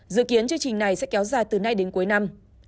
dự kiến chương trình này sẽ kéo dài từ nay đến cuối năm